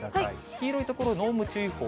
黄色い所、濃霧注意報。